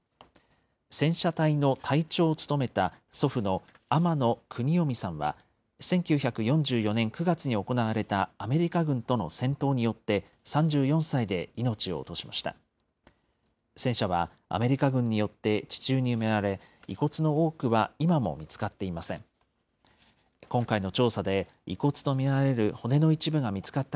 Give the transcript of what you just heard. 戦車隊の隊長を務めた祖父の天野国臣さんは、１９４４年９月に行われたアメリカ軍との戦闘によって３４歳で命を落としました。